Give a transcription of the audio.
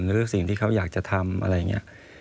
หรือสิ่งที่เค้าอยากจะทำอะไรเงี้ย